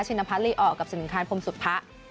ชินพรรดิออกับสินค้านพรมสุทธิ์พระ